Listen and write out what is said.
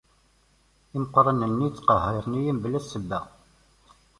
Imeqqranen ttqehhiren-iyi mebla ssebba.